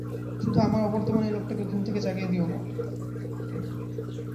শুধু আমার অবর্তমানে এই লোকটাকে ঘুম থেকে জাগিয়ে দিয়ো না!